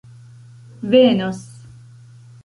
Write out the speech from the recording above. venos